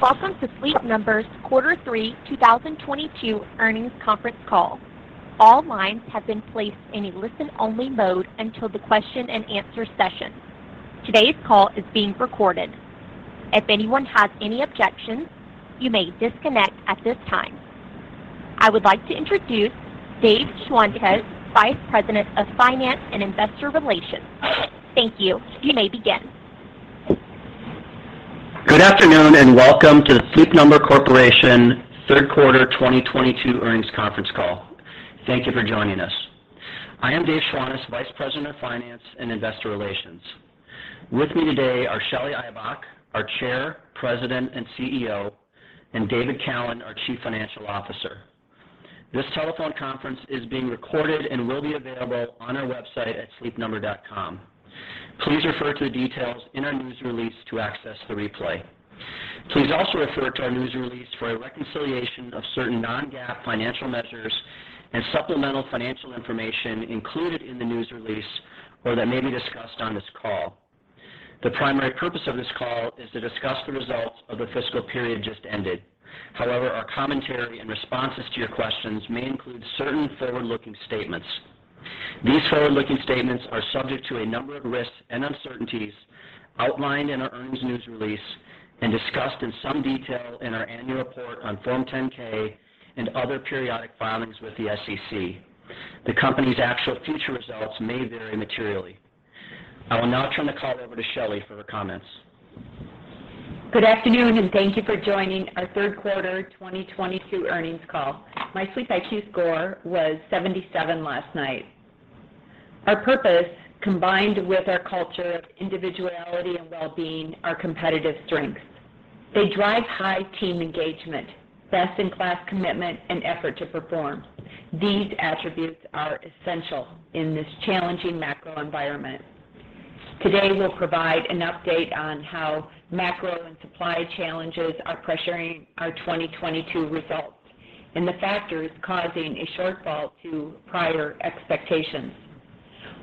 Welcome to Sleep Number's Quarter Three 2022 Earnings Conference Call. All lines have been placed in a listen-only mode until the question and answer session. Today's call is being recorded. If anyone has any objections, you may disconnect at this time. I would like to introduce Dave Schwantes, Vice President of Finance and Investor Relations. Thank you. You may begin. Good afternoon, and welcome to the Sleep Number Corporation Third Quarter 2022 Earnings Conference Call. Thank you for joining us. I am Dave Schwantes, Vice President of Finance and Investor Relations. With me today are Shelly Ibach, our Chair, President, and CEO, and David Callen, our Chief Financial Officer. This telephone conference is being recorded and will be available on our website at sleepnumber.com. Please refer to the details in our news release to access the replay. Please also refer to our news release for a reconciliation of certain non-GAAP financial measures and supplemental financial information included in the news release or that may be discussed on this call. The primary purpose of this call is to discuss the results of the fiscal period just ended. However, our commentary and responses to your questions may include certain forward-looking statements. These forward-looking statements are subject to a number of risks and uncertainties outlined in our earnings news release and discussed in some detail in our annual report on Form 10-K and other periodic filings with the SEC. The company's actual future results may vary materially. I will now turn the call over to Shelly for her comments. Good afternoon, and thank you for joining our third quarter 2022 earnings call. My SleepIQ score was 77 last night. Our purpose, combined with our culture of individuality and well-being, are competitive strengths. They drive high team engagement, best-in-class commitment, and effort to perform. These attributes are essential in this challenging macro environment. Today, we'll provide an update on how macro and supply challenges are pressuring our 2022 results and the factors causing a shortfall to prior expectation.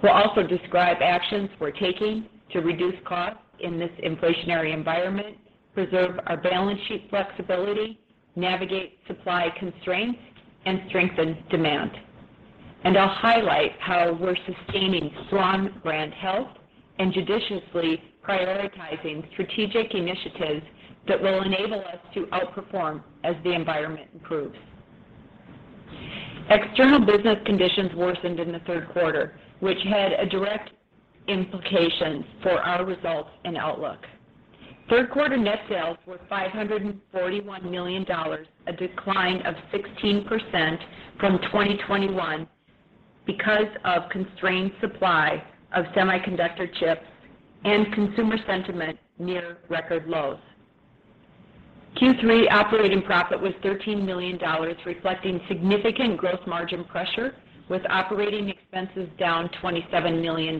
We'll also describe actions we're taking to reduce costs in this inflationary environment, preserve our balance sheet flexibility, navigate supply constraints, and strengthen demand. And I'll highlight how we're sustaining strong brand health and judiciously prioritizing strategic initiatives that will enable us to outperform as the environment improves. External business conditions worsened in the third quarter, which had a direct implication for our results and outlook. Third quarter net sales were $541 million, a decline of 16% from 2021 because of constrained supply of semiconductor chips and consumer sentiment near record lows. Q3 operating profit was $13 million, reflecting significant gross margin pressure with operating expenses down $27 million.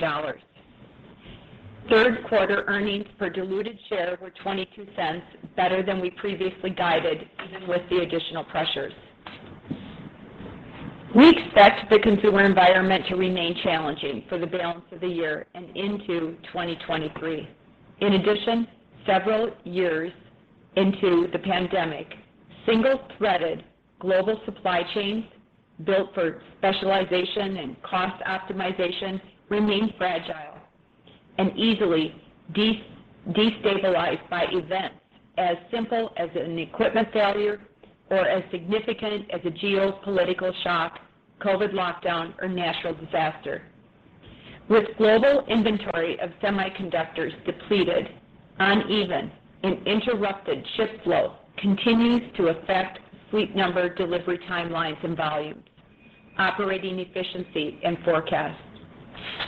Third quarter earnings per diluted share were $0.22 better than we previously guided, even with the additional pressures. We expect the consumer environment to remain challenging for the balance of the year and into 2023. In addition, several years into the pandemic, single-threaded global supply chains built for specialization and cost optimization remain fragile and easily destabilized by events as simple as an equipment failure or as significant as a geopolitical shock, COVID lockdown, or natural disaster. With global inventory of semiconductors depleted, uneven, and interrupted ship flow continues to affect Sleep Number delivery timelines and volumes, operating efficiency, and forecast.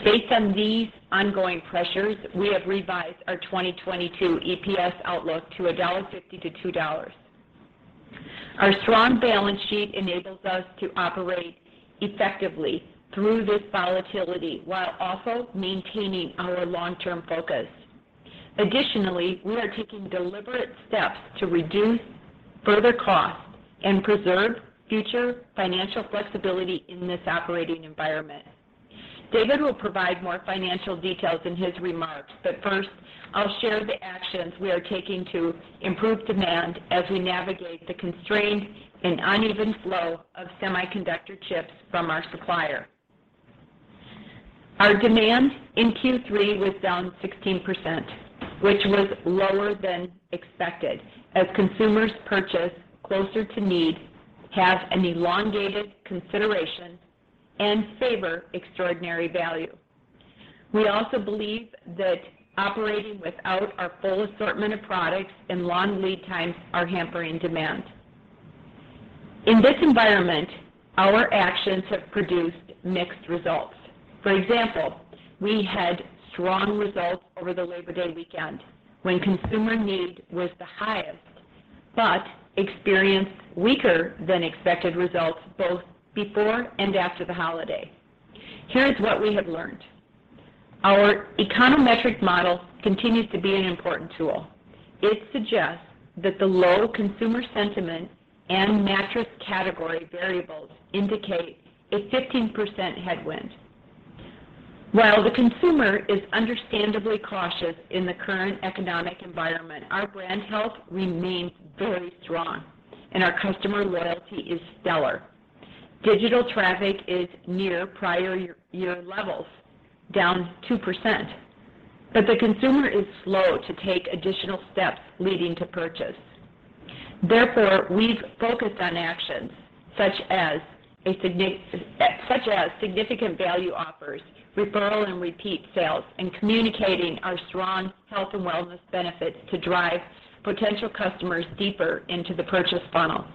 Based on these ongoing pressures, we have revised our 2022 EPS outlook to $1.50-$2. Our strong balance sheet enables us to operate effectively through this volatility while also maintaining our long-term focus. Additionally, we are taking deliberate steps to reduce further costs and preserve future financial flexibility in this operating environment. David will provide more financial details in his remarks, but first, I'll share the actions we are taking to improve demand as we navigate the constrained and uneven flow of semiconductor chips from our supplier. Our demand in Q3 was down 16%, which was lower than expected as consumers purchase closer to need, have an elongated consideration, and favor extraordinary value. We also believe that operating without our full assortment of products and long lead times are hampering demand. In this environment, our actions have produced mixed results. For example, we had strong results over the Labor Day weekend when consumer need was the highest, but experienced weaker than expected results both before and after the holiday. Here is what we have learned. Our econometric model continues to be an important tool. It suggests that the low consumer sentiment and mattress category variables indicate a 15% headwind. While the consumer is understandably cautious in the current economic environment, our brand health remains very strong and our customer loyalty is stellar. Digital traffic is near prior year levels, down 2%, but the consumer is slow to take additional steps leading to purchase. Therefore, we've focused on actions such as significant value offers, referral and repeat sales, and communicating our strong health and wellness benefits to drive potential customers deeper into the purchase funnel.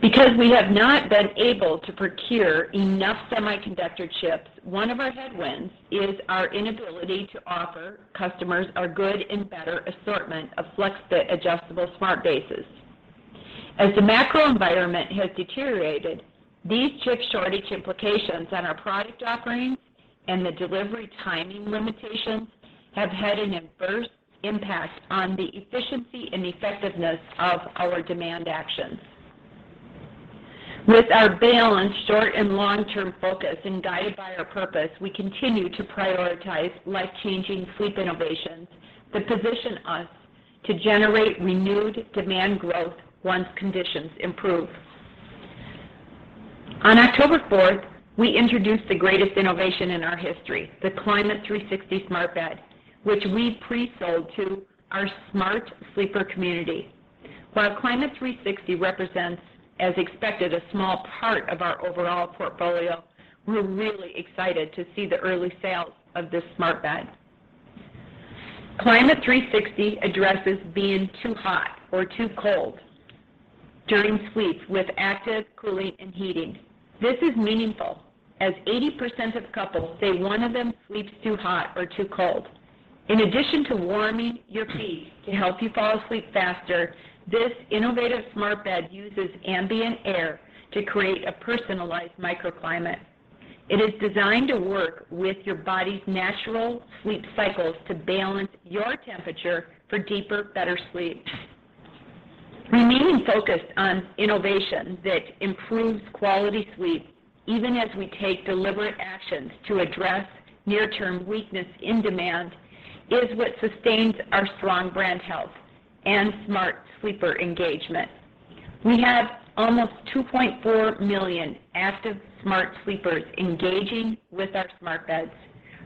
Because we have not been able to procure enough semiconductor chips, one of our headwinds is our inability to offer customers our good and better assortment of FlexFit adjustable smart bases. As the macro environment has deteriorated, these chip shortage implications on our product offerings and the delivery timing limitations have had an adverse impact on the efficiency and effectiveness of our demand actions. With our balanced short and long-term focus and guided by our purpose, we continue to prioritize life-changing sleep innovations that position us to generate renewed demand growth once conditions improve. On October 4th, we introduced the greatest innovation in our history, the Climate360 smart bed, which we presold to our smart sleeper community. While Climate360 represents, as expected, a small part of our overall portfolio, we're really excited to see the early sales of this smart bed. Climate360 addresses being too hot or too cold during sleep with active cooling and heating. This is meaningful as 80% of couples say one of them sleeps too hot or too cold. In addition to warming your feet to help you fall asleep faster, this innovative smart bed uses ambient air to create a personalized microclimate. It is designed to work with your body's natural sleep cycles to balance your temperature for deeper, better sleep. Remaining focused on innovation that improves quality sleep even as we take deliberate actions to address near-term weakness in demand is what sustains our strong brand health and smart sleeper engagement. We have almost 2.4 million active smart sleepers engaging with our smart beds,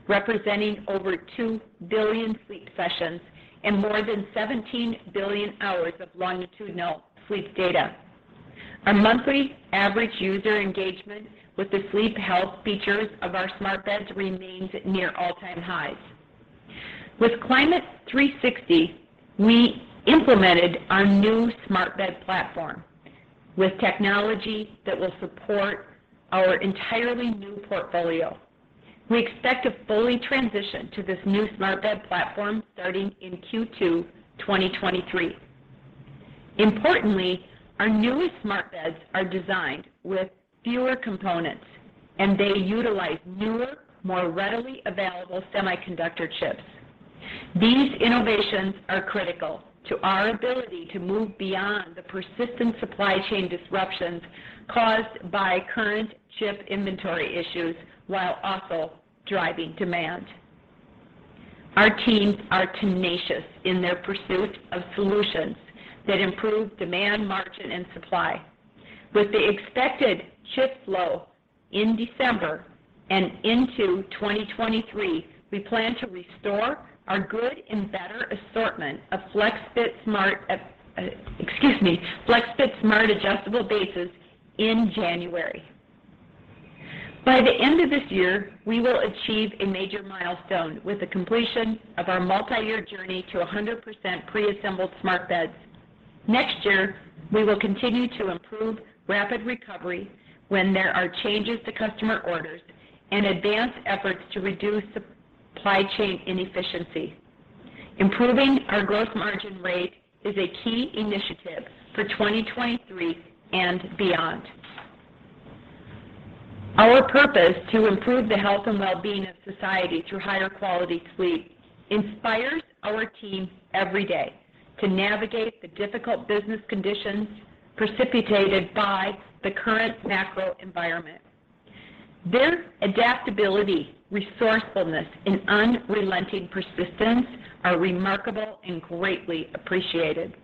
representing over 2 billion sleep sessions and more than 17 billion hours of longitudinal sleep data. Our monthly average user engagement with the sleep health features of our smart beds remains near all-time highs. With Climate360, we implemented our new smart bed platform with technology that will support our entirely new portfolio. We expect to fully transition to this new smart bed platform starting in Q2 2023. Importantly, our newest smart beds are designed with fewer components, and they utilize newer, more readily available semiconductor chips. These innovations are critical to our ability to move beyond the persistent supply chain disruptions caused by current chip inventory issues while also driving demand. Our teams are tenacious in their pursuit of solutions that improve demand, margin, and supply. With the expected chip flow in December and into 2023, we plan to restore our good and better assortment of FlexFit smart adjustable bases in January. By the end of this year, we will achieve a major milestone with the completion of our multiyear journey to 100% preassembled smart beds. Next year, we will continue to improve rapid recovery when there are changes to customer orders and advance efforts to reduce supply chain inefficiency. Improving our growth margin rate is a key initiative for 2023 and beyond. Our purpose to improve the health and well-being of society through higher quality sleep inspires our teams every day to navigate the difficult business conditions precipitated by the current macro environment. Their adaptability, resourcefulness, and unrelenting persistence are remarkable and greatly appreciated.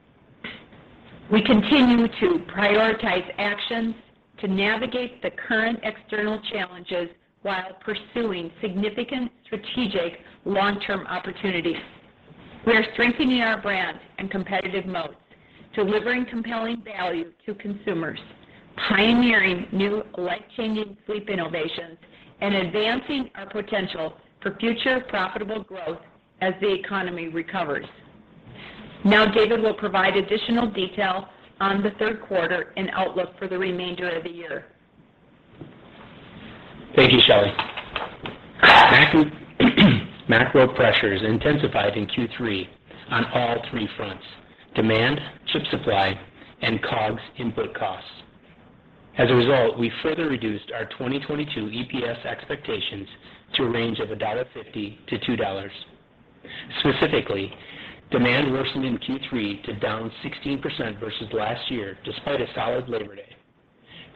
We continue to prioritize actions to navigate the current external challenges while pursuing significant strategic long-term opportunities. We are strengthening our brand and competitive moats, delivering compelling value to consumers, pioneering new life-changing sleep innovations, and advancing our potential for future profitable growth as the economy recovers. Now, David will provide additional detail on the third quarter and outlook for the remainder of the year. Thank you, Shelly. Macro pressures intensified in Q3 on all three fronts, demand, chip supply, and COGS input costs. As a result, we further reduced our 2022 EPS expectations to a range of $1.50-$2. Specifically, demand worsened in Q3 to down 16% versus last year, despite a solid Labor Day.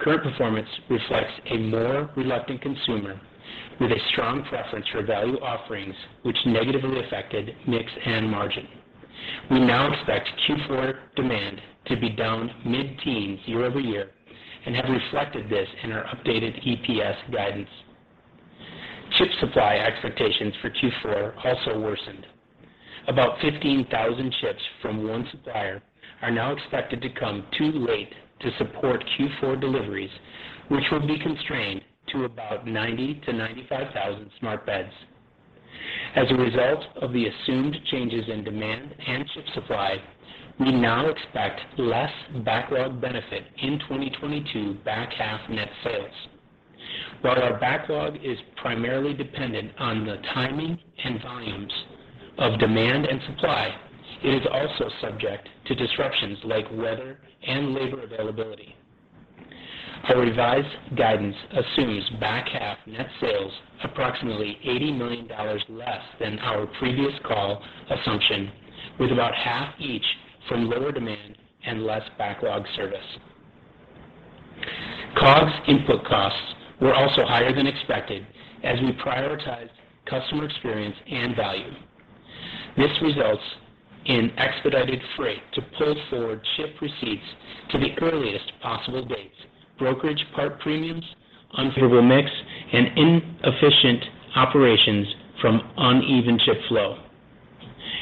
Current performance reflects a more reluctant consumer with a strong preference for value offerings, which negatively affected mix and margin. We now expect Q4 demand to be down mid-teen year-over-year and have reflected this in our updated EPS guidance. Chip supply expectations for Q4 also worsened. About 15,000 chips from one supplier are now expected to come too late to support Q4 deliveries, which will be constrained to about 90,000-95,000 smart beds. As a result of the assumed changes in demand and chip supply, we now expect less backlog benefit in 2022 back half net sales. While our backlog is primarily dependent on the timing and volumes of demand and supply, it is also subject to disruptions like weather and labor availability. Our revised guidance assumes back half net sales approximately $80 million less than our previous call assumption, with about half each from lower demand and less backlog service. COGS input costs were also higher than expected as we prioritized customer experience and value. This results in expedited freight to pull forward ship receipts to the earliest possible dates, brokerage part premiums, unfavorable mix, and inefficient operations from uneven chip flow.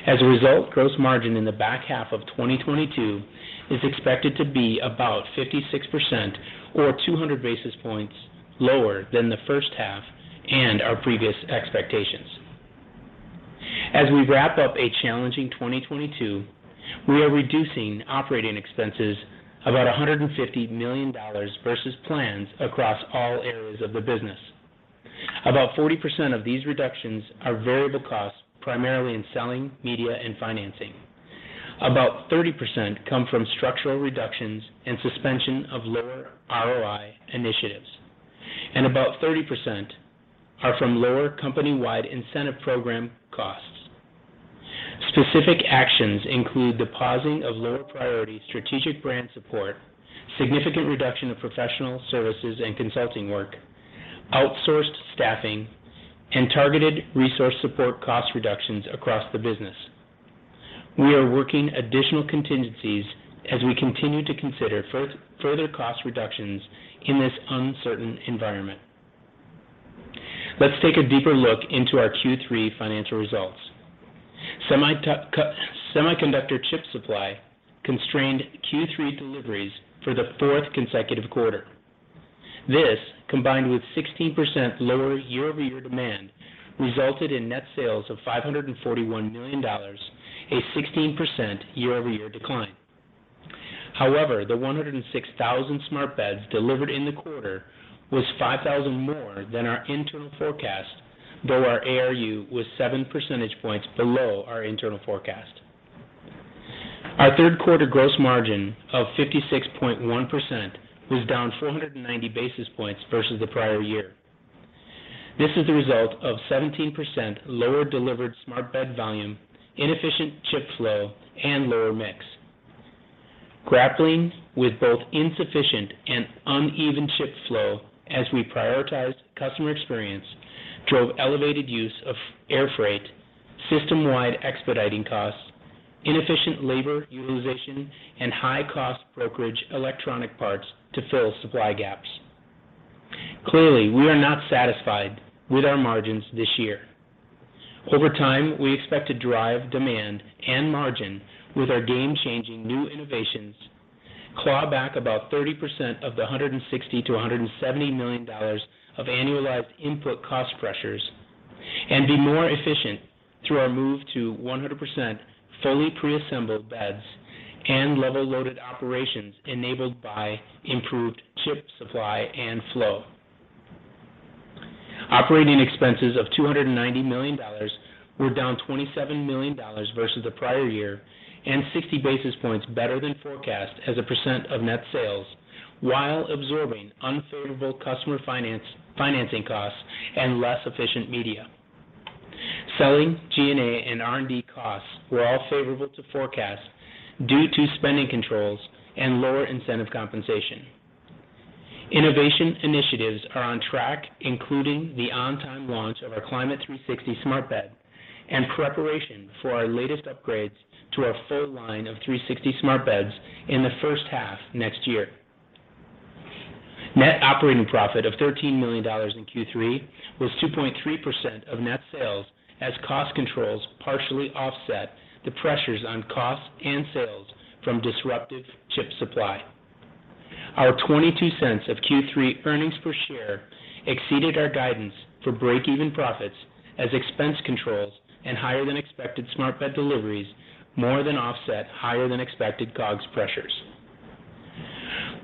As a result, gross margin in the back half of 2022 is expected to be about 56% or 200 basis points lower than the first half and our previous expectations. As we wrap up a challenging 2022, we are reducing operating expenses about $150 million versus plans across all areas of the business. About 40% of these reductions are variable costs, primarily in selling, media, and financing. About 30% come from structural reductions and suspension of lower ROI initiatives, and about 30% are from lower company-wide incentive program costs. Specific actions include the pausing of lower priority strategic brand support, significant reduction of professional services and consulting work, outsourced staffing, and targeted resource support cost reductions across the business. We are working additional contingencies as we continue to consider further cost reductions in this uncertain environment. Let's take a deeper look into our Q3 financial results. Semiconductor chip supply constrained Q3 deliveries for the fourth consecutive quarter. This, combined with 16% lower year-over-year demand, resulted in net sales of $541 million, a 16% year-over-year decline. However, the 106,000 smart beds delivered in the quarter was 5,000 more than our internal forecast, though our ARU was 7 percentage points below our internal forecast. Our third quarter gross margin of 56.1% was down 490 basis points versus the prior year. This is the result of 17% lower delivered smart bed volume, inefficient chip flow, and lower mix. Grappling with both insufficient and uneven chip flow as we prioritized customer experience drove elevated use of air freight, system-wide expediting costs, inefficient labor utilization, and high-cost brokerage electronic parts to fill supply gaps. Clearly, we are not satisfied with our margins this year. Over time, we expect to drive demand and margin with our game-changing new innovations, claw back about 30% of the $160 million-$170 million of annualized input cost pressures, and be more efficient through our move to 100% fully preassembled beds and level-loaded operations enabled by improved chip supply and flow. Operating expenses of $290 million were down $27 million versus the prior year and 60 basis points better than forecast as a percent of net sales while absorbing unfavorable customer finance, financing costs and less efficient media. Selling G&A and R&D costs were all favorable to forecast due to spending controls and lower incentive compensation. Innovation initiatives are on track, including the on-time launch of our Climate360 smart bed and preparation for our latest upgrades to our full line of 360 smart beds in the first half next year. Net operating profit of $13 million in Q3 was 2.3% of net sales as cost controls partially offset the pressures on costs and sales from disruptive chip supply. Our $0.22 of Q3 earnings per share exceeded our guidance for break-even profits as expense controls and higher than expected smart bed deliveries more than offset higher than expected COGS pressures.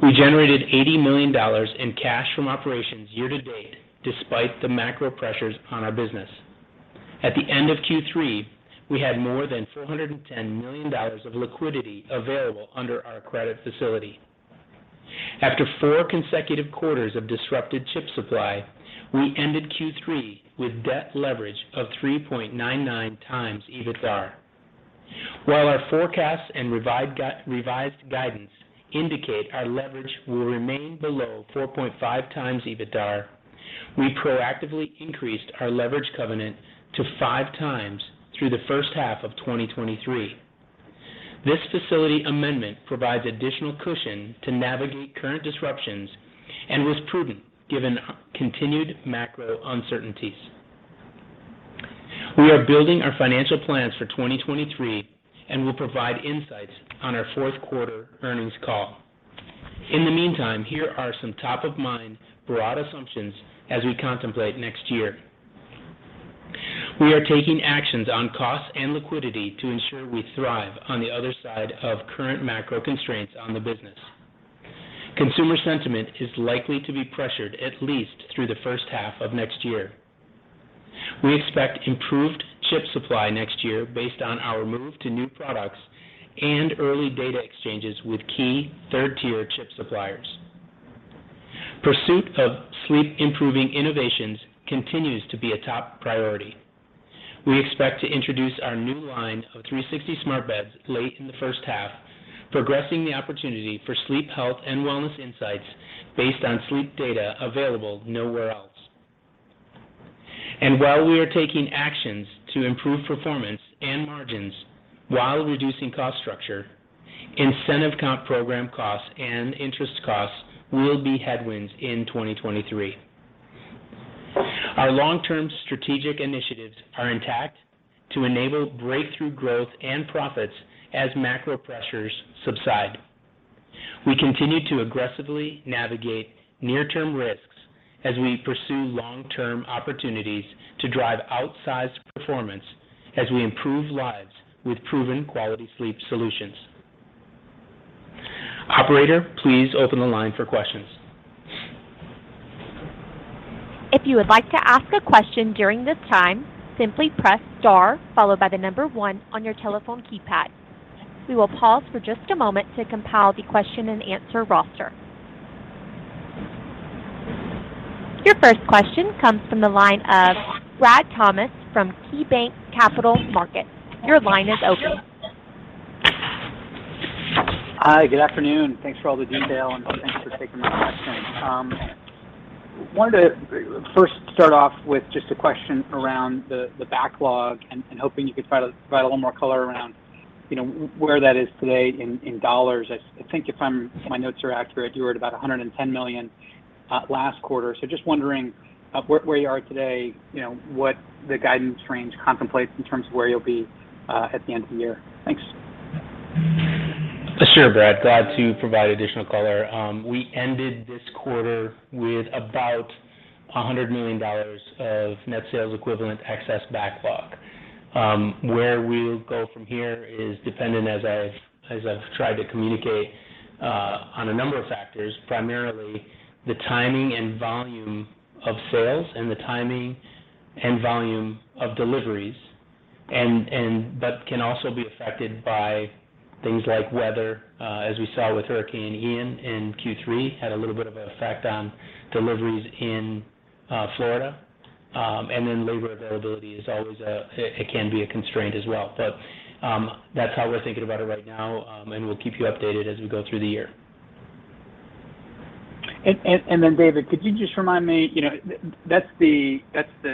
We generated $80 million in cash from operations year to date despite the macro pressures on our business. At the end of Q3, we had more than $410 million of liquidity available under our credit facility. After four consecutive quarters of disrupted chip supply, we ended Q3 with debt leverage of 3.99x EBITDAR. While our forecast and revised guidance indicate our leverage will remain below 4.5x EBITDAR, we proactively increased our leverage covenant to 5x through the first half of 2023. This facility amendment provides additional cushion to navigate current disruptions and was prudent given continued macro uncertainties. We are building our financial plans for 2023 and will provide insights on our fourth quarter earnings call. In the meantime, here are some top of mind broad assumptions as we contemplate next year. We are taking actions on costs and liquidity to ensure we thrive on the other side of current macro constraints on the business. Consumer sentiment is likely to be pressured at least through the first half of next year. We expect improved chip supply next year based on our move to new products and early data exchanges with key third-tier chip suppliers. Pursuit of sleep-improving innovations continues to be a top priority. We expect to introduce our new line of 360 smart beds late in the first half, progressing the opportunity for sleep health and wellness insights based on sleep data available nowhere else. And while we are taking actions to improve performance and margins while reducing cost structure, incentive comp program costs and interest costs will be headwinds in 2023. Our long-term strategic initiatives are intact to enable breakthrough growth and profits as macro pressures subside. We continue to aggressively navigate near-term risks as we pursue long-term opportunities to drive outsized performance as we improve lives with proven quality sleep solutions. Operator, please open the line for questions. If you would like to ask a question during this time, simply press star followed by the number one on your telephone keypad. We will pause for just a moment to compile the question and answer roster. Your first question comes from the line of Brad Thomas from KeyBanc Capital Markets. Your line is open. Hi. Good afternoon. Thanks for all the detail, and thanks for taking my question. Wanted to first start off with just a question around the backlog and hoping you could provide a little more color around, you know, where that is today in dollars. I think if my notes are accurate, you were at about $110 million last quarter. Just wondering, where you are today, you know, what the guidance range contemplates in terms of where you'll be at the end of the year. Thanks. Sure, Brad. Glad to provide additional color. We ended this quarter with about $100 million of net sales equivalent excess backlog. Where we'll go from here is dependent, as I've tried to communicate, on a number of factors, primarily the timing and volume of sales and the timing and volume of deliveries. And that can also be affected by things like weather, as we saw with Hurricane Ian in Q3, had a little bit of an effect on deliveries in Florida. And labor availability is always a constraint as well. That's how we're thinking about it right now, and we'll keep you updated as we go through the year. And then David, could you just remind me, you know, that's the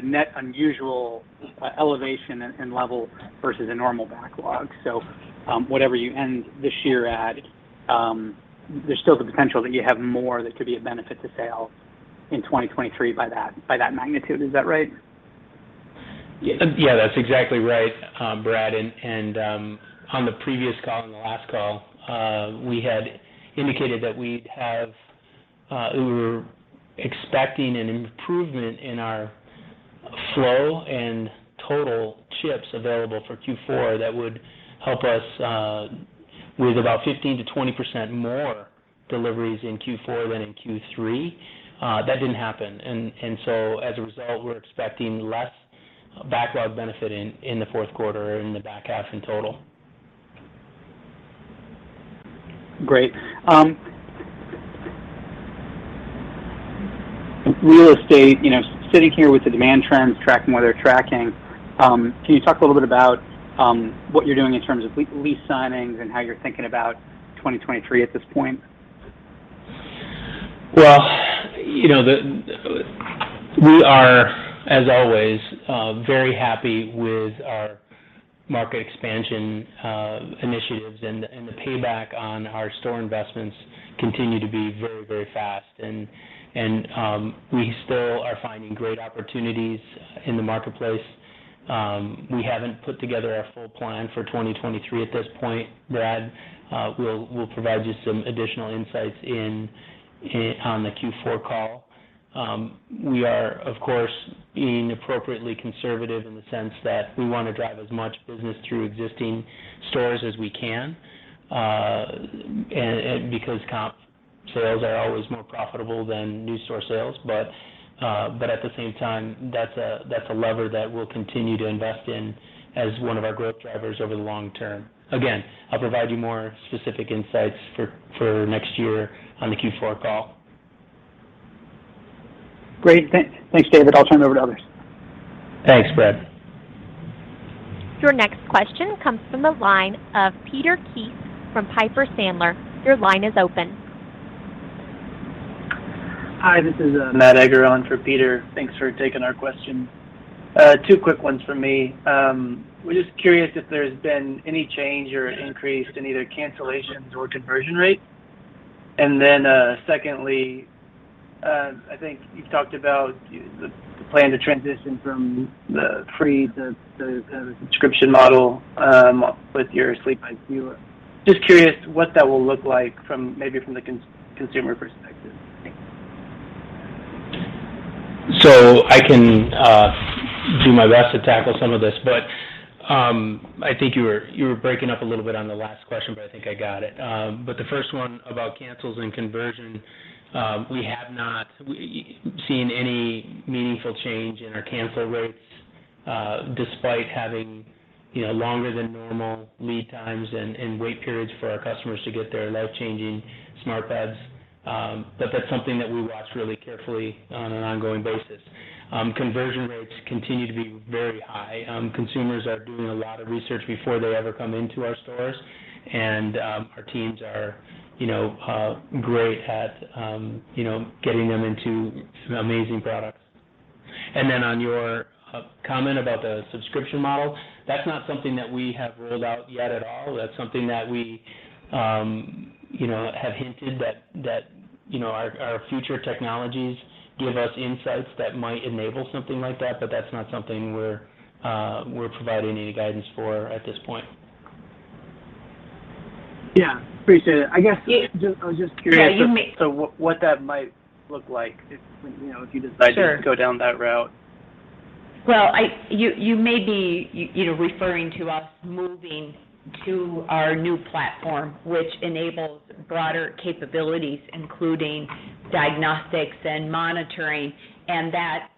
net unusual elevation and level versus a normal backlog. So whatever you end this year at, there's still the potential that you have more that could be of benefit to sale in 2023 by that magnitude. Is that right? Yeah, that's exactly right, Brad. And on the previous call, on the last call, we had indicated that we were expecting an improvement in our flow and total chips available for Q4 that would help us with about 15%-20% more deliveries in Q4 than in Q3. That didn't happen. As a result, we're expecting less backlog benefit in the fourth quarter and in the back half in total. Great. Real estate, you know, sitting here with the demand trends, tracking what they're tracking, can you talk a little bit about what you're doing in terms of lease signings and how you're thinking about 2023 at this point? Well, you know, we are, as always, very happy with our market expansion initiatives and the payback on our store investments continue to be very, very fast. And we still are finding great opportunities in the marketplace. We haven't put together our full plan for 2023 at this point, Brad. We'll provide you some additional insights on the Q4 call. We are, of course, being appropriately conservative in the sense that we wanna drive as much business through existing stores as we can, and because comp sales are always more profitable than new store sales. But at the same time, that's a lever that we'll continue to invest in as one of our growth drivers over the long term. Again, I'll provide you more specific insights for next year on the Q4 call. Great. Thanks, David. I'll turn it over to others. Thanks, Brad. Your next question comes from the line of Peter Keith from Piper Sandler. Your line is open. Hi, this is Matt Egger on for Peter. Thanks for taking our question. Two quick ones from me. We're just curious if there's been any change or increase in either cancellations or conversion rate. And then secondly, I think you've talked about the plan to transition from the free to a subscription model with your SleepIQ viewer. Just curious what that will look like from the consumer perspective. Thanks. I can do my best to tackle some of this, but I think you were breaking up a little bit on the last question, but I think I got it. The first one about cancels and conversion, we have not seen any meaningful change in our cancel rates, despite having you know longer than normal lead times and wait periods for our customers to get their life-changing smart beds. That's something that we watch really carefully on an ongoing basis. Conversion rates continue to be very high. Consumers are doing a lot of research before they ever come into our stores, and our teams are you know great at you know getting them into some amazing products. And then on your comment about the subscription model, that's not something that we have ruled out yet at all. That's something that we, you know, have hinted that that you know, our future technologies give us insights that might enable something like that. That's not something we're providing any guidance for at this point. Yeah. Appreciate it. I guess. I'm just curious. What that might look like if, you know, if you decide- Sure to go down that route. Well, you may be, you know, referring to us moving to our new platform, which enables broader capabilities, including diagnostics and monitoring, and that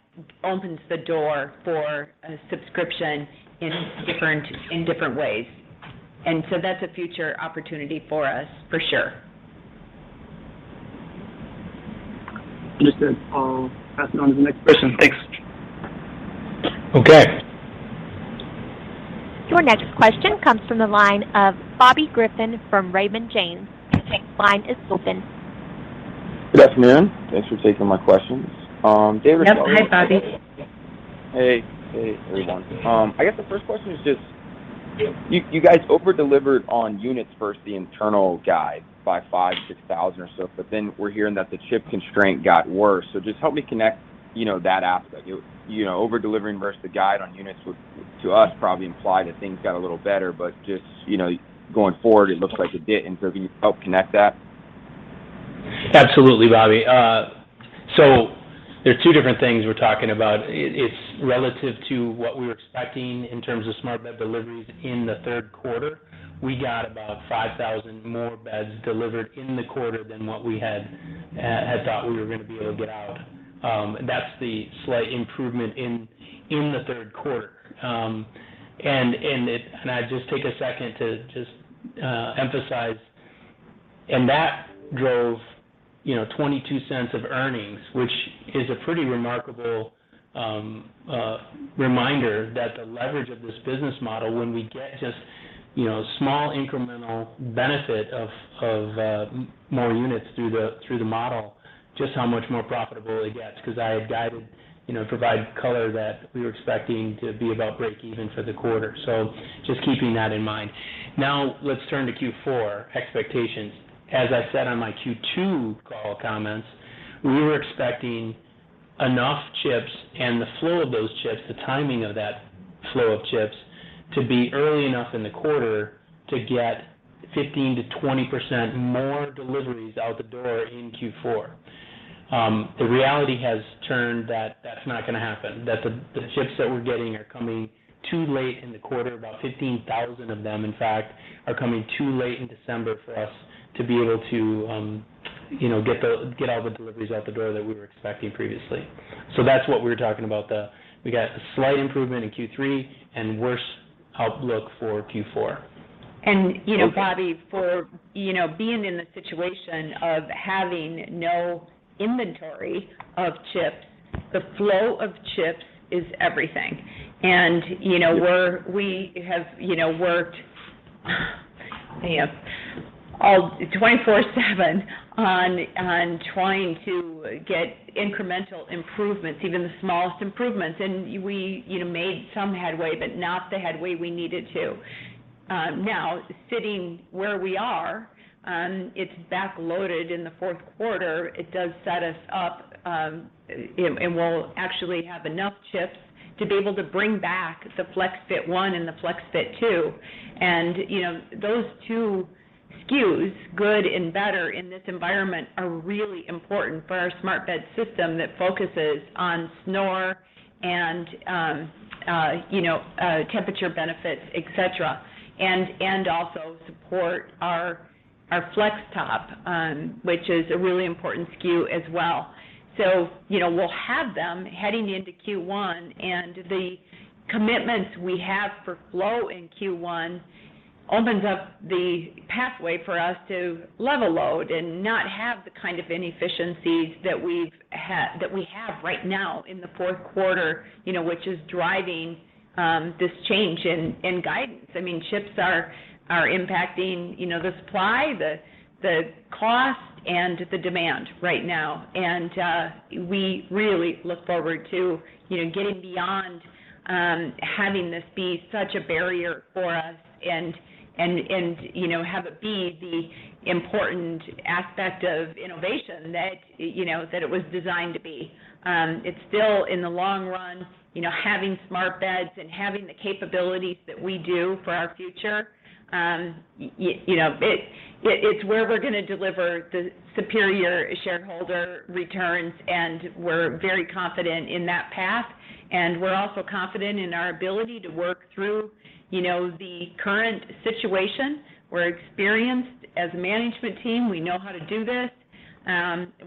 opens the door for a subscription in different ways. And so that's a future opportunity for us for sure. Understood. I'll pass it on to the next person. Thanks. Okay. Your next question comes from the line of Bobby Griffin from Raymond James. Your line is open. Good afternoon. Thanks for taking my questions. David- Yep. Hi, Bobby. Hey. Hey, everyone. I guess the first question is just, you guys over-delivered on units versus the internal guide by 5,000-6,000 or so, but then we're hearing that the chip constraint got worse. Just help me connect, you know, that aspect. You know, over-delivering versus the guide on units would, to us, probably imply that things got a little better, but just, you know, going forward, it looks like it didn't. If you could help connect that. Absolutely, Bobby. So there are two different things we're talking about. It's relative to what we were expecting in terms of smart bed deliveries in the third quarter. We got about 5,000 more beds delivered in the quarter than what we had thought we were gonna be able to get out. That's the slight improvement in the third quarter. And I'd just take a second to just emphasize and that drove, you know, $0.22 of earnings, which is a pretty remarkable reminder that the leverage of this business model, when we get just, you know, small incremental benefit of more units through the model, just how much more profitable it gets because I had guided, you know, provide color that we were expecting to be about break even for the quarter. So just keeping that in mind. Now, let's turn to Q4 expectations. As I said on my Q2 call comments, we were expecting enough chips and the flow of those chips, the timing of that flow of chips to be early enough in the quarter to get 15%-20% more deliveries out the door in Q4. The reality has turned out that that's not gonna happen, that the chips that we're getting are coming too late in the quarter. About 15,000 of them, in fact, are coming too late in December for us to be able to get all the deliveries out the door that we were expecting previously. That's what we're talking about. We got a slight improvement in Q3 and worse outlook for Q4. And you know. Bobby, for, you know, being in the situation of having no inventory of chips, the flow of chips is everything. And you know we have, you know, worked, you know, all 24/7 on trying to get incremental improvements, even the smallest improvements. And we, you know, made some headway, but not the headway we needed to. Now sitting where we are, it's backloaded in the fourth quarter. It does set us up, and we'll actually have enough chips to be able to bring back the FlexFit 1 and the FlexFit 2. And you know, those two SKUs, good and better in this environment, are really important for our smart bed system that focuses on snore and you know, temperature benefits, etc. Also support our FlexTop, which is a really important SKU as well. So you know, we'll have them heading into Q1, and the commitments we have for flow in Q1 opens up the pathway for us to level load and not have the kind of inefficiencies that we have right now in the fourth quarter, you know, which is driving this change in guidance. I mean, chips are impacting, you know, the supply, the cost, and the demand right now. And we really look forward to, you know, getting beyond having this be such a barrier for us and, you know, have it be the important aspect of innovation that, you know, that it was designed to be. It's still in the long run, you know, having smart beds and having the capabilities that we do for our future, you know, it is where we're gonna deliver the superior shareholder returns, and we're very confident in that path. And we're also confident in our ability to work through, you know, the current situation. We're experienced as a management team. We know how to do this.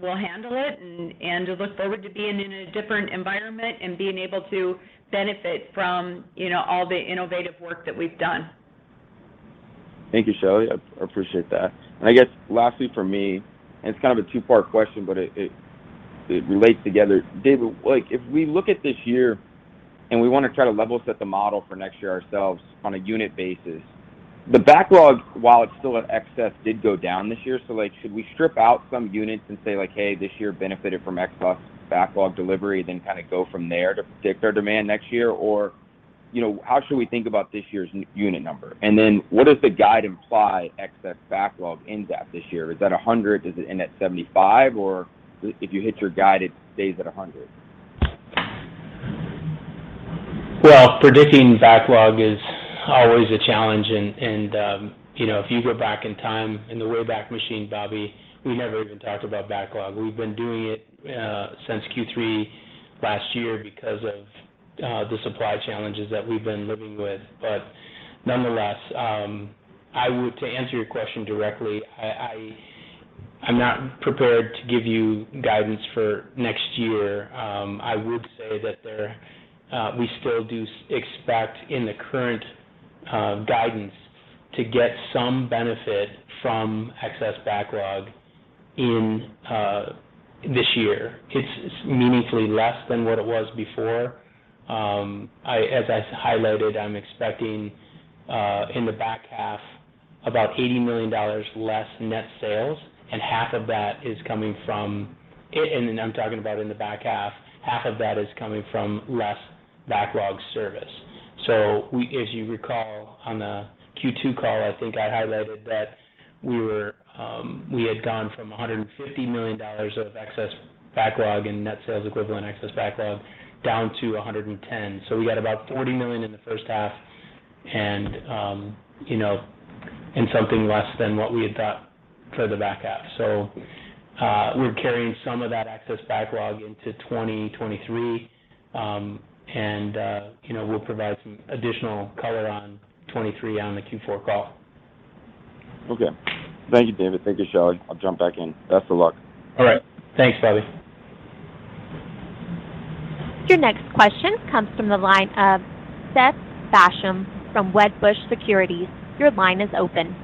We'll handle it and look forward to being in a different environment and being able to benefit from, you know, all the innovative work that we've done. Thank you, Shelley. I appreciate that. I guess lastly for me, and it's kind of a two-part question, but it relates together. David, like, if we look at this year and we want to try to level set the model for next year ourselves on a unit basis, the backlog, while it's still at excess, did go down this year. Like, should we strip out some units and say like, "Hey, this year benefited from X plus backlog delivery," then kind of go from there to predict our demand next year? Or, you know, how should we think about this year's unit number? And then what does the guide imply excess backlog ends at this year? Is that 100? Does it end at 75? Or if you hit your guide, it stays at 100? Well, predicting backlog is always a challenge. And you know, if you go back in time in the way back machine, Bobby, we never even talked about backlog. We've been doing it since Q3 last year because of the supply challenges that we've been living with. But nonetheless, to answer your question directly, I'm not prepared to give you guidance for next year. I would say that we still do expect in the current guidance to get some benefit from excess backlog in this year. It's meaningfully less than what it was before. As I highlighted, I'm expecting in the back half about $80 million less net sales, and half of that is coming from. I'm talking about in the back half of that is coming from less backlog service. So if you recall on the Q2 call, I think I highlighted that we had gone from $150 million of excess backlog and net sales equivalent excess backlog down to $110 million. So we had about $40 million in the first half and, you know, and something less than what we had got for the back half. So we're carrying some of that excess backlog into 2023. And you know, we'll provide some additional color on 2023 on the Q4 call. Okay. Thank you, David. Thank you, Shelly. I'll jump back in. Best of luck. All right. Thanks, Bobby. Your next question comes from the line of Seth Basham from Wedbush Securities. Your line is open.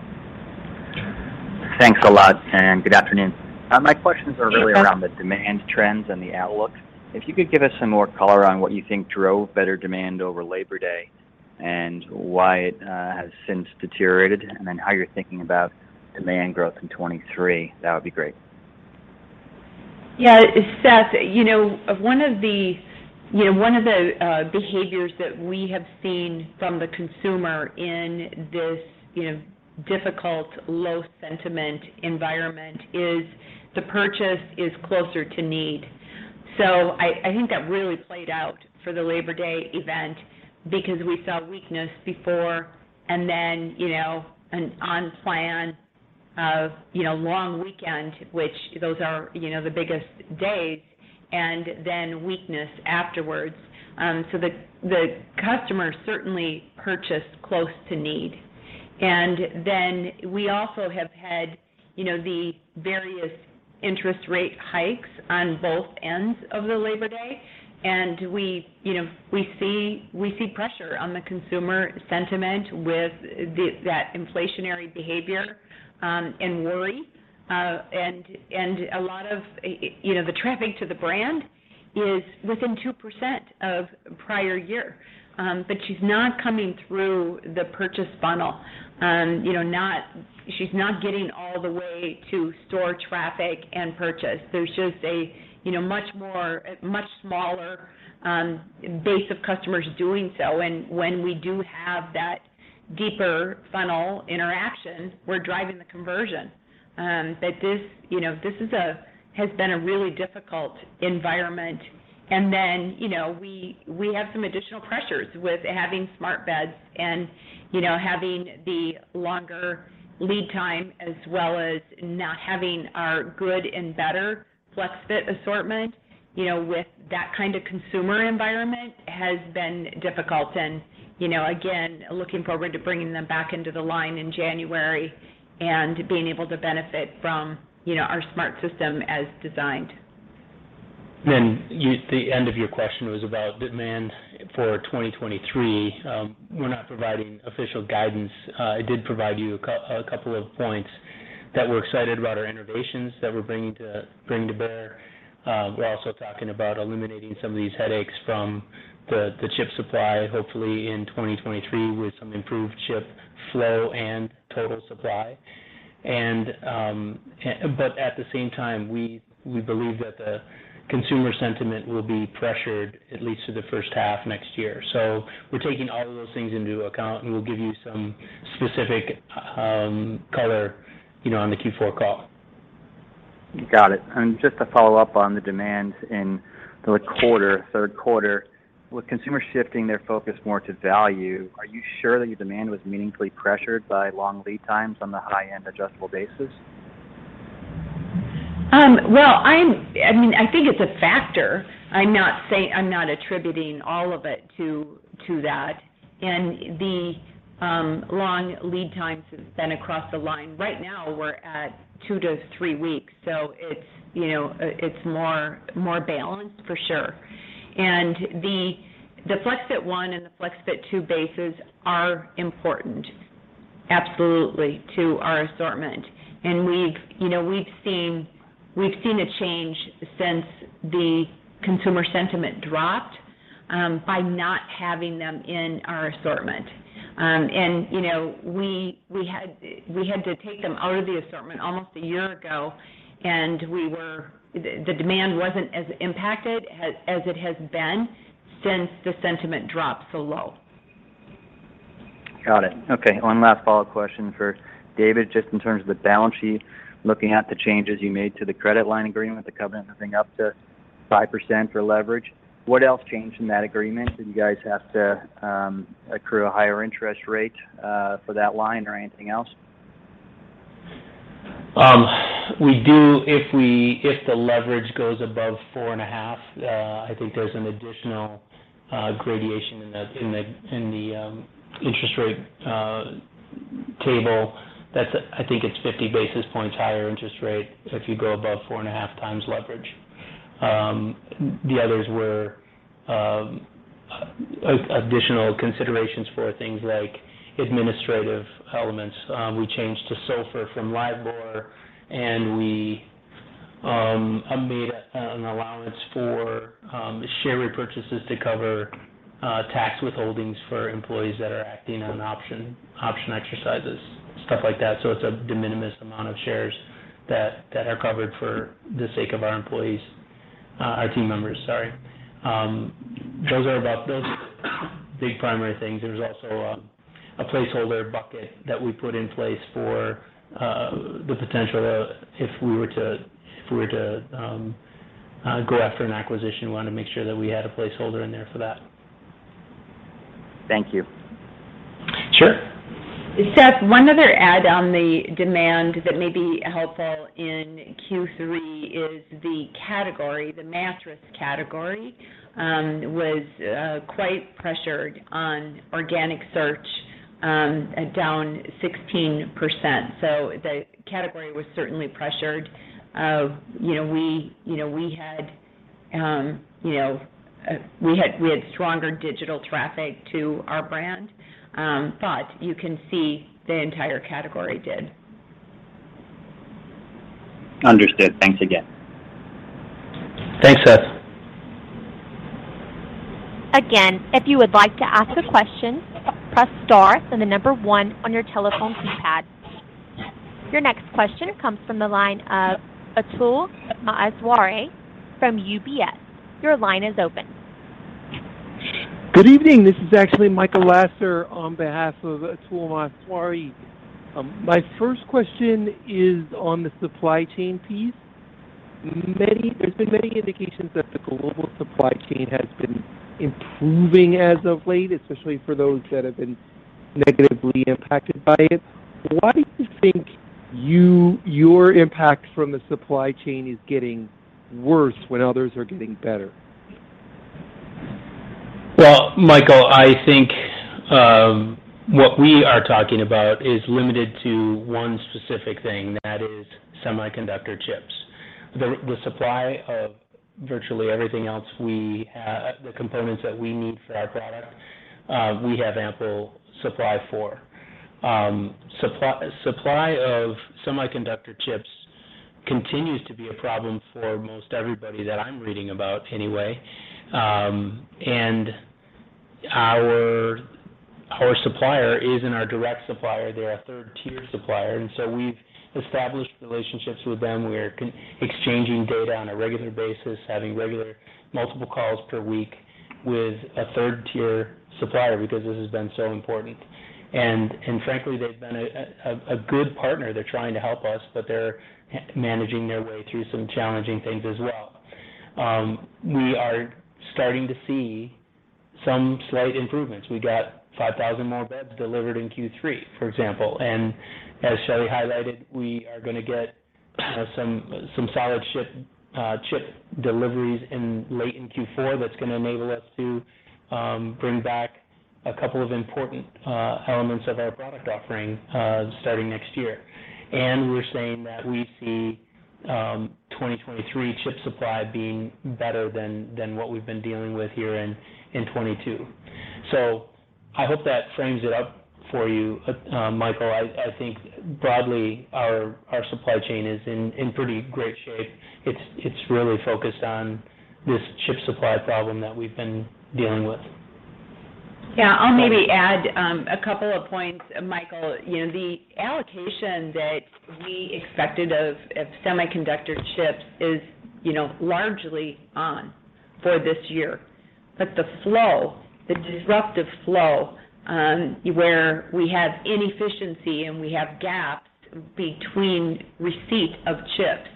Thanks a lot, and good afternoon. My questions are- Hey, Seth Really around the demand trends and the outlook. If you could give us some more color on what you think drove better demand over Labor Day, and why it has since deteriorated, and then how you're thinking about demand growth in 2023, that would be great. Yeah, Seth, you know, one of the behaviors that we have seen from the consumer in this, you know, difficult, low sentiment environment is the purchase is closer to need. So I think that really played out for the Labor Day event because we saw weakness before and then, you know, an on plan of, you know, long weekend, which those are, you know, the biggest days and then weakness afterwards. The customer certainly purchased close to need. Then we also have had, you know, the various interest rate hikes on both ends of the Labor Day. And we, you know, see pressure on the consumer sentiment with that inflationary behavior and worry. And a lot of, you know, the traffic to the brand is within 2% of prior year. But she's not coming through the purchase funnel. You know, she's not getting all the way to store traffic and purchase. There's just a, you know, much more, much smaller base of customers doing so. When we do have that deeper funnel interaction, we're driving the conversion. But this, you know, has been a really difficult environment. And then you know, we have some additional pressures with having smart beds and, you know, having the longer lead time, as well as not having our good and better FlexFit assortment, you know, with that kind of consumer environment has been difficult. you know, again, looking forward to bringing them back into the line in January and being able to benefit from, you know, our smart system as designed. The end of your question was about demand for 2023. We're not providing official guidance. I did provide you a couple of points that we're excited about our innovations that we're bringing to bear. We're also talking about eliminating some of these headaches from the chip supply, hopefully in 2023 with some improved chip flow and total supply. But at the same time, we believe that the consumer sentiment will be pressured at least through the first half next year. So we're taking all of those things into account, and we'll give you some specific color, you know, on the Q4 call. Got it. Just to follow up on the demand in the quarter, third quarter, with consumers shifting their focus more to value, are you sure that your demand was meaningfully pressured by long lead times on the high-end adjustable bases? Well, I mean, I think it's a factor. I'm not saying. I'm not attributing all of it to that. And the long lead times has been across the line. Right now, we're at two-three weeks, you know, it's more balanced for sure. And the FlexFit 1 and the FlexFit 2 bases are important, absolutely, to our assortment. And we've, you know, seen a change since the consumer sentiment dropped by not having them in our assortment. And you know, we had to take them out of the assortment almost a year ago, and the demand wasn't as impacted as it has been since the sentiment dropped so low. Got it. Okay, one last follow-up question for David, just in terms of the balance sheet, looking at the changes you made to the credit line agreement, the covenant moving up to 5% for leverage. What else changed in that agreement? Did you guys have to accrue a higher interest rate for that line or anything else? We do. If the leverage goes above 4.5, I think there's an additional gradation in the interest rate table. I think it's 50 basis points higher interest rate if you go above 4.5x leverage. The others were additional considerations for things like administrative elements. We changed to SOFR from LIBOR, and we made an allowance for share repurchases to cover tax withholdings for employees that are acting on option exercises, stuff like that. It's a de minimis amount of shares that are covered for the sake of our employees, our team members, sorry. Those are the big primary things. There's also a placeholder bucket that we put in place for the potential if we were to go after an acquisition. We wanted to make sure that we had a placeholder in there for that. Thank you. Sure. Seth, one other add on the demand that may be helpful in Q3 is the category, the mattress category, was quite pressured on organic search, down 16%. So the category was certainly pressured. You know, we had stronger digital traffic to our brand, but you can see the entire category did. Understood. Thanks again. Thanks, Seth. Again, if you would like to ask a question, press star, then the number one on your telephone keypad. Your next question comes from the line of Atul Maheshwari from UBS. Your line is open. Good evening. This is actually Michael Lasser on behalf of Atul Maheshwari. My first question is on the supply chain piece. There's been many indications that the global supply chain has been improving as of late, especially for those that have been negatively impacted by it. Why do you think your impact from the supply chain is getting worse when others are getting better? Well, Michael, I think what we are talking about is limited to one specific thing, that is semiconductor chips. The components that we need for our product, we have ample supply for. Supply of semiconductor chips continues to be a problem for most everybody that I'm reading about anyway. And our supplier isn't our direct supplier. They're a third-tier supplier, and so we've established relationships with them. We are exchanging data on a regular basis, having regular multiple calls per week with a third-tier supplier because this has been so important. And frankly, they've been a good partner. They're trying to help us, but they're managing their way through some challenging things as well. We are starting to see some slight improvements. We got 5,000 more beds delivered in Q3, for example. As Shelley highlighted, we are gonna get some solid chip deliveries in late Q4 that's gonna enable us to bring back a couple of important elements of our product offering starting next year. And we're saying that we see 2023 chip supply being better than what we've been dealing with here in 2022. So I hope that frames it up for you, Michael. I think broadly our supply chain is in pretty great shape. It's really focused on this chip supply problem that we've been dealing with. Yeah. I'll maybe add a couple of points, Michael. You know, the allocation that we expected of semiconductor chips is, you know, largely on for this year. That the flow, the disruptive flow, where we have inefficiency and we have gaps between receipt of chips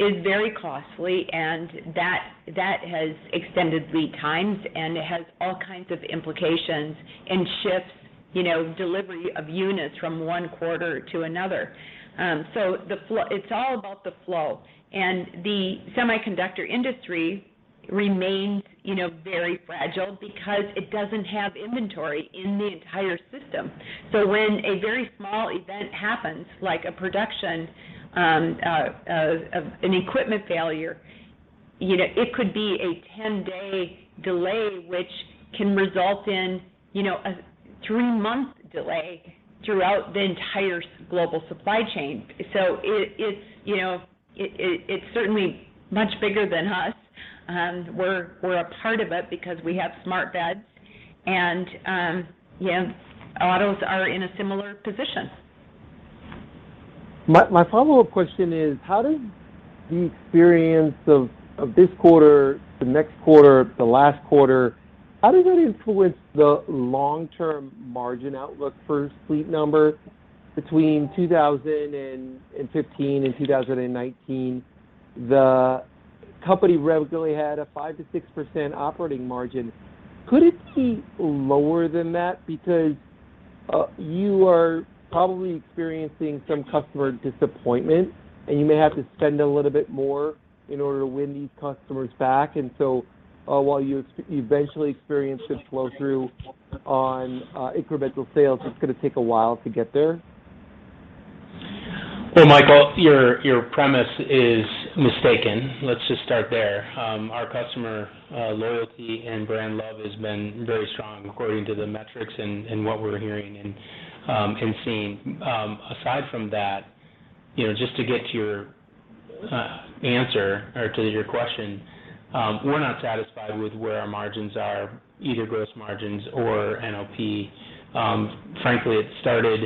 is very costly, and that has extended lead times, and it has all kinds of implications and shifts, you know, delivery of units from one quarter to another. So the flow. It's all about the flow. The semiconductor industry remains, you know, very fragile because it doesn't have inventory in the entire system. So when a very small event happens, like a production of an equipment failure, you know, it could be a 10-day delay, which can result in, you know, a three-month delay throughout the entire global supply chain. It's, you know, it's certainly much bigger than us. And we're a part of it because we have smart beds and autos are in a similar position. My follow-up question is, how does the experience of this quarter, the next quarter, the last quarter, how does that influence the long-term margin outlook for Sleep Number? Between 2015 and 2019, the company regularly had a 5%-6% operating margin. Could it be lower than that because you are probably experiencing some customer disappointment, and you may have to spend a little bit more in order to win these customers back. And so while you eventually experience this flow through on incremental sales, it's gonna take a while to get there. Well, Michael, your premise is mistaken. Let's just start there. Our customer loyalty and brand love has been very strong according to the metrics and what we're hearing and seeing. Aside from that, you know, just to get to your answer or to your question, we're not satisfied with where our margins are, either gross margins or NOP. Frankly, it started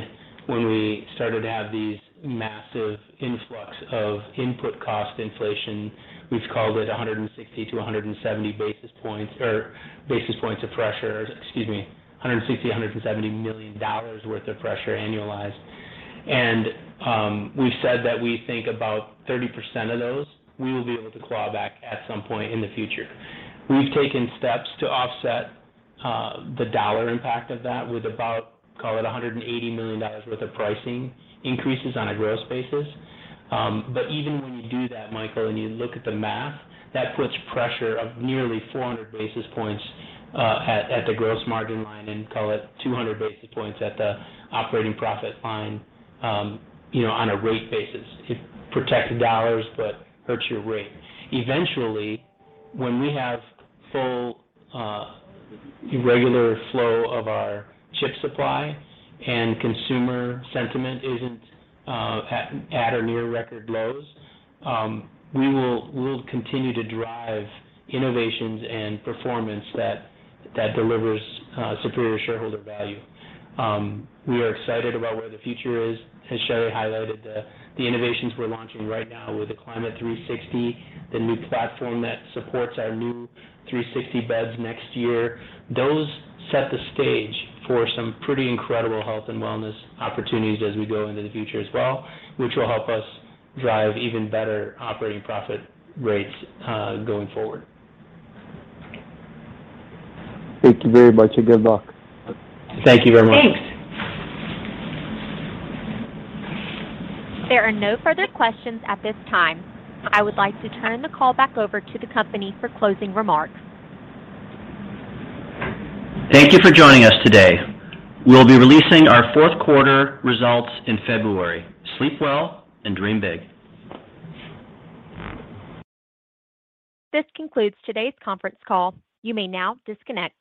when we started to have these massive influx of input cost inflation. We've called it 160-170 basis points of pressure. Excuse me, $160 million-$170 million worth of pressure annualized. We've said that we think about 30% of those we will be able to claw back at some point in the future. We've taken steps to offset the dollar impact of that with about, call it $180 million worth of pricing increases on a gross basis. But even when you do that, Michael, and you look at the math, that puts pressure of nearly 400 basis points at the gross margin line and call it 200 basis points at the operating profit line, you know, on a rate basis. It protects dollars but hurts your rate. Eventually, when we have full regular flow of our chip supply and consumer sentiment isn't at or near record lows, we'll continue to drive innovations and performance that delivers superior shareholder value. We are excited about where the future is. As Sherry highlighted, the innovations we're launching right now with the Climate360, the new platform that supports our new 360 beds next year, those set the stage for some pretty incredible health and wellness opportunities as we go into the future as well, which will help us drive even better operating profit rates going forward. Thank you very much, and good luck. Thank you very much. Thanks. There are no further questions at this time. I would like to turn the call back over to the company for closing remarks. Thank you for joining us today. We'll be releasing our fourth quarter results in February. Sleep well and dream big. This concludes today's conference call. You may now disconnect.